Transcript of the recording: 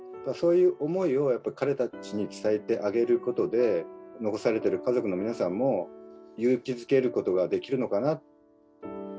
そういう思いをやっぱり彼たちに伝えてあげることで、残されている家族の皆さんも勇気づけることができるのかな。